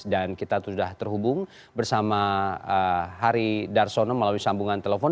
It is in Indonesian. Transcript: dan kita sudah terhubung bersama harry d'arsono melalui sambungan telepon